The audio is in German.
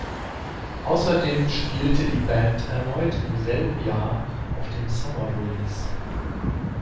Außerdem spielte die Band erneut im selben Jahr auf dem Summer Breeze.